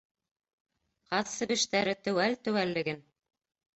— Ҡаҙ себештәре теүәл теүәллеген.